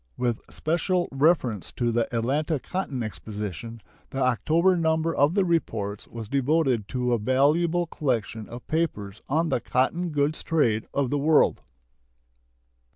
With special reference to the Atlanta Cotton Exposition, the October number of the reports was devoted to a valuable collection of papers on the cotton goods trade of the world.